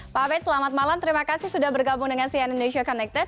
pak abes selamat malam terima kasih sudah bergabung dengan cn indonesia connected